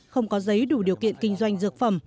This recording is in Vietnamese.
không có giấy đủ điều kiện kinh doanh dược phẩm